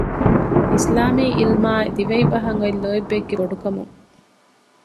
އިސްލާމީ ޢިލްމާއި ދިވެހިބަހަށް އޮތް ލޯތްބެއްގެ ބޮޑުކަމުން